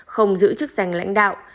không giữ chức danh lãnh đạo